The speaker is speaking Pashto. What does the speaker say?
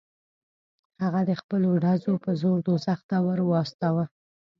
هغه د خپلو ډزو په زور دوزخ ته ور واستاوه.